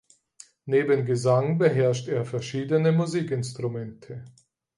Neben Gesang beherrscht er verschiedene Musikinstrumente.